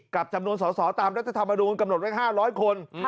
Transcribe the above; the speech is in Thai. กับจำนวนสอสอตามรัฐธรรมนูลกำหนดไว้๕๐๐คน